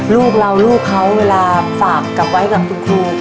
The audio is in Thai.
ลูกเราลูกเขาเวลาฝากกับไว้กับคุณครู